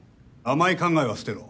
甘い考えは捨てろ。